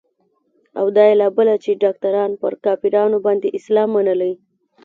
او دا يې لا بله چې ډاکتر پر کافرانو باندې اسلام منلى.